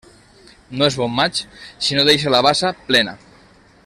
No és bon maig si no deixa la bassa plena.